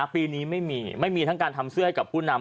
ปีนี้ไม่มีไม่มีทั้งการทำเสื้อให้กับผู้นำ